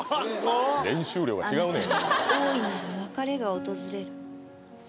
練習量が違うねん！